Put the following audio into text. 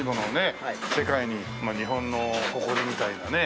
世界にまあ日本の誇りみたいなね。